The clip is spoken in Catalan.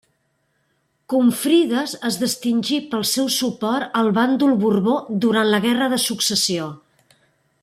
Confrides es distingí pel seu suport al bàndol borbó durant la guerra de Successió.